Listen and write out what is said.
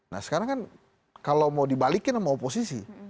nah sekarang kan kalau mau dibalikin sama oposisi